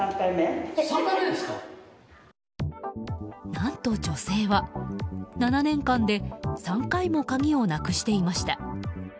何と女性は、７年間で３回も鍵をなくしていました。